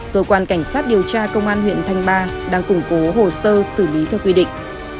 cơ quan cảnh sát điều tra công an huyện thanh ba đang củng cố hồ sơ xử lý theo quy định